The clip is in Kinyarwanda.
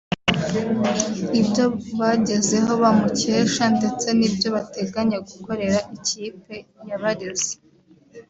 ibyo bagezeho bamukesha ndetse n’ibyo bateganya gukorera ikipe yabareze